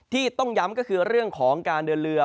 ที่ต้องย้ำก็คือเรื่องของการเดินเรือ